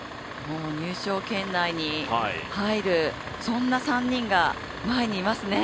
入賞圏内に入るそんな３人が前にいますね。